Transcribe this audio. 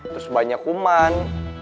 terus banyak kuman